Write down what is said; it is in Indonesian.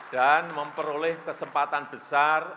dan memperoleh kesempatan besar